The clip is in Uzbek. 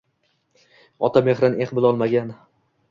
Ota mexrin ex bilolmagan